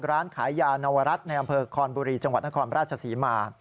ร้านขายยานวรัฐในอำเภอคอนบุรีจังหวัดนครราชศรีมา